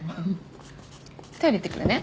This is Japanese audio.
トイレ行ってくるね。